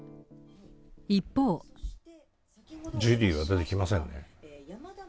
ジュリーは出てきませんね。